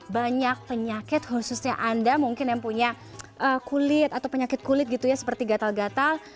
banyak penyakit khususnya anda mungkin yang punya kulit atau penyakit kulit gitu ya seperti gatal gatal